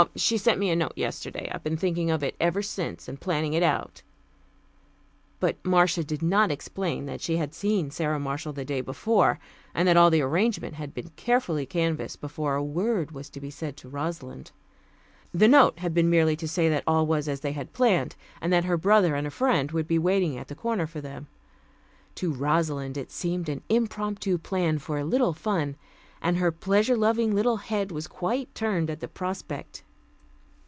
"Oh, she sent me a note yesterday. I've been thinking of it ever since, and planning it out." But Marcia did not explain that she had seen Sara Marshall the day before, and that all the arrangements had been carefully canvassed before a word was to be said to Rosalind. The note had been merely to say that all was as they had planned, and that her brother and a friend would be waiting at the corner for them. To Rosalind it seemed an impromptu plan for a little fun, and her pleasure loving little head was quite turned at the prospect.